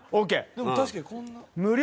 でも確かにこんな。